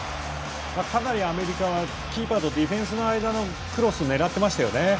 かなりアメリカはキーパーとディフェンスの間のクロスを狙ってましたね。